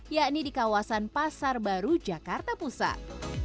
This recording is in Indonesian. yakni di kawasan pasar baru jakarta pusat